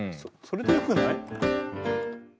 それでよくない？